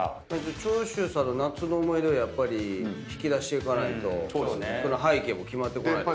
長州さんの夏の思い出をやっぱり引き出していかないと背景も決まってこないですから。